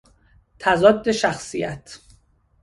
تضاد شخصیت